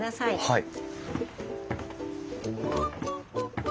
はい。